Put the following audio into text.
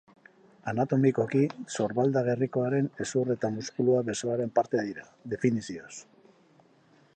Anatomikoki sorbalda-gerrikoaren hezur eta muskulua besoaren parte dira, definizioz.